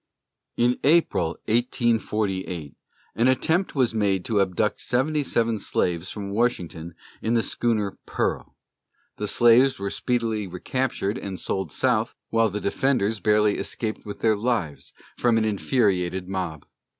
In April, 1848, an attempt was made to abduct seventy seven slaves from Washington in the schooner Pearl. The slaves were speedily recaptured and sold South, while their defenders barely escaped with their lives from an infuriated mob.